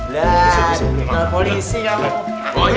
lihat ada polisi yang